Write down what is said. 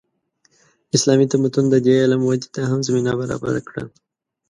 اسلامي تمدن د دې علم ودې ته هم زمینه برابره کړه.